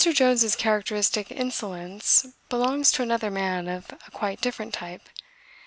Jones's characteristic insolence belongs to another man of a quite different type.